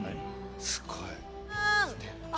すごい。